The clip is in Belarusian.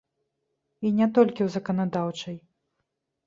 І не толькі ў заканадаўчай.